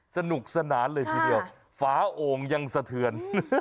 สนุกสนานเลยทีเดียวฝาโอ่งยังสะเทือน